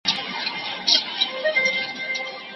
باوري اوسئ چې د دغه اسماني جسم حرکت زموږ سیارې ته خطر نه لري.